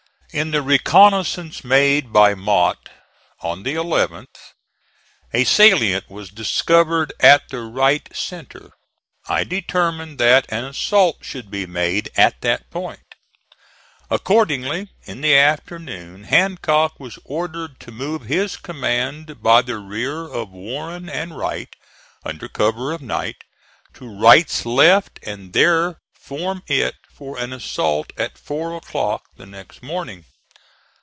In the reconnoissance made by Mott on the 11th, a salient was discovered at the right centre. I determined that an assault should be made at that point. (*28) Accordingly in the afternoon Hancock was ordered to move his command by the rear of Warren and Wright, under cover of night, to Wright's left, and there form it for an assault at four o'clock the next morning.